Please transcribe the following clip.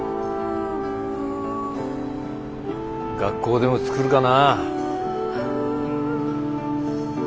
学校でも作るかな。